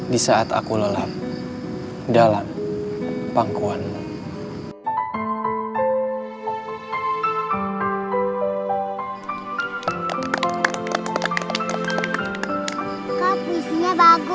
di saat aku lelam dalam panggilanmu